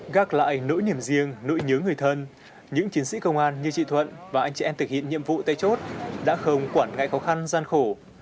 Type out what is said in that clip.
gác lại nỗi niềm riêng nỗi nhớ người thân những chiến sĩ công an như chị thuận và anh chị em thực hiện nhiệm vụ tại chốt đã không quản ngại khó khăn gian khổ